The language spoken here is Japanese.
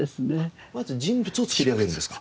まず人物を作り上げるんですか。